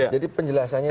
jadi penjelasannya itu